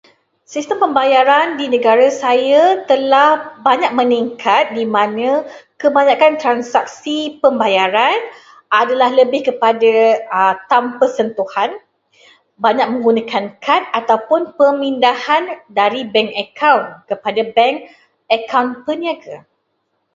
Sistem pembayaran di negara saya telah banyak meningkat, di mana kebanyakan transaksi pembayaran adalah lebih kepada tanpa sentuhan, banyak menggunakan kad atau pemindahan dari bank akaun kepada bank akaun peniaga.